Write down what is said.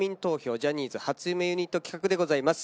ジャニーズ初夢ユニット企画でございます。